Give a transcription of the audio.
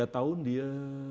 tiga tahun dia